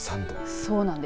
そうなんです。